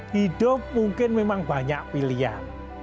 hidup mungkin memang banyak pilihan